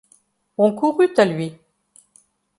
On courut à lui.